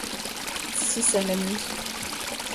Si ça l'amuse!